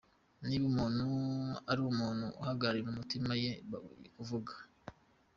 Niba umuntu ari umuntu uhagarika umutima, ye kuvuga.